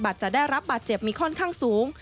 จะได้รับบาดเจ็บมีค่อนข้างสูง